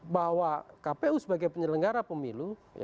bahwa kpu sebagai penyelenggara pemilu